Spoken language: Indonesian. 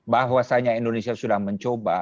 bahwasanya indonesia sudah mencoba